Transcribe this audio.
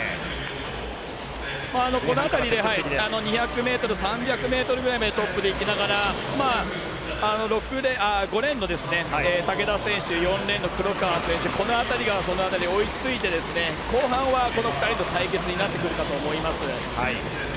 この辺りで２００ｍ３００ｍくらいまでトップでいきながら５レーンの竹田選手４レーンの黒川選手辺りが追いついて後半はこの２人の対決になってくるかと思います。